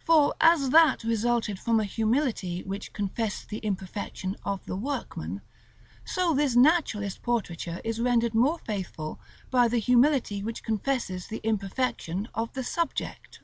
For as that resulted from a humility which confessed the imperfection of the workman, so this naturalist portraiture is rendered more faithful by the humility which confesses the imperfection of the subject.